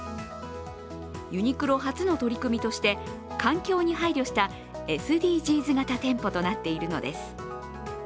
ユニクロ初の取り組みとして、環境に配慮したＳＤＧｓ型店舗となっているのです。